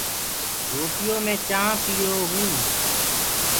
روٽيو مين چآنه پيهرون